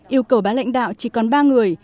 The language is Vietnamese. yêu cầu bán lãnh đạo chỉ còn ba người